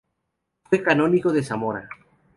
Fue canónigo de Zamora.